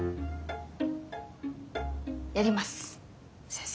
やります先生。